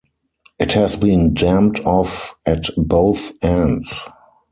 It has been dammed off at both ends.